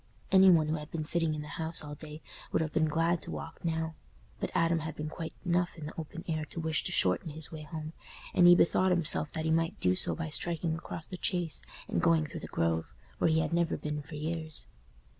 Any one who had been sitting in the house all day would have been glad to walk now; but Adam had been quite enough in the open air to wish to shorten his way home, and he bethought himself that he might do so by striking across the Chase and going through the Grove, where he had never been for years.